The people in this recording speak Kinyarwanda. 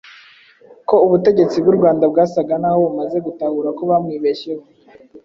ko ubutegetsi bw'u Rwanda bwasaga naho bumaze gutahura ko bwamwibeshyeho